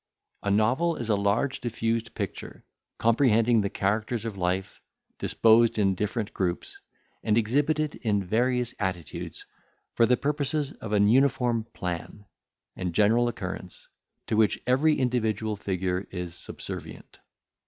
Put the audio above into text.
A novel is a large diffused picture, comprehending the characters of life, disposed in different groups, and exhibited in various attitudes, for the purposes of an uniform plan, and general occurrence, to which every individual figure is subservient.